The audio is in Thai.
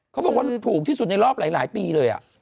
เขาบอกว่าถูกที่สุดในรอบหลายปีเลย